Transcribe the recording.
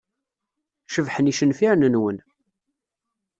Cebḥen yicenfiren-nwen.